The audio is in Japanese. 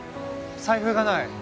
財布がない。